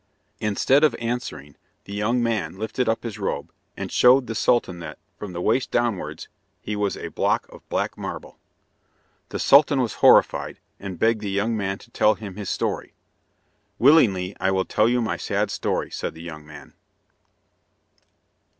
Instead of answering the young man lifted up his robe, and showed the Sultan that, from the waist downwards, he was a block of black marble. The Sultan was horrified, and begged the young man to tell him his story. "Willingly I will tell you my sad history," said the young man.